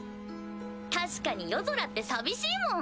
確かに夜空って寂しいもん。